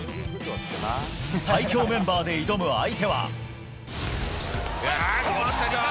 最強メンバーで挑む相手は。